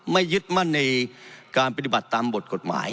ยึดมั่นในการปฏิบัติตามบทกฎหมาย